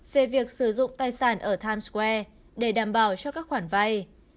về việc sử dụng tài sản ở times square để đảm bảo cho các khoản vay